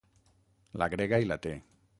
La grega i la te.